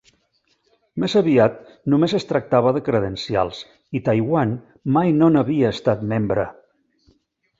Més aviat només es tractava de credencials i Taiwan mai no n'havia estat membre.